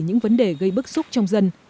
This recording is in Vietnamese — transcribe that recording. những vấn đề gây bức xúc trong dân